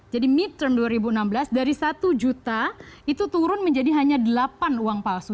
jadi mid term dua ribu enam belas dari satu juta itu turun menjadi hanya delapan uang palsu